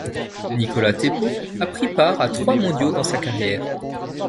Nicolas Thépaut a pris part à trois mondiaux dans sa carrière.